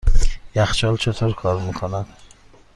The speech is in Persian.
یخچال چطور کار میکند؟